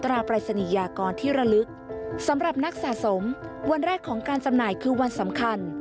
วันแรกของการจำหน่ายคือวันสำคัญ